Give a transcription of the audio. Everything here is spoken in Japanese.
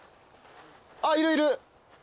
ああいるいる。